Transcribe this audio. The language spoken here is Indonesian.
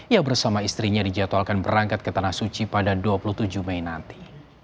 ia bersama istrinya dijadwalkan berangkat ke tanah suci pada dua puluh tujuh mei nanti